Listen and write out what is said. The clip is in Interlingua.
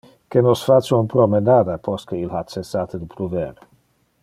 Que nos face un promenada post que il ha cessate de pluver.